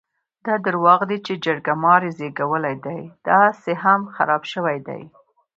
دا درواغ دي چې چرګې مار زېږولی دی؛ داهسې خم خراپ شوی دی.